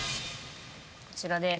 こちらです。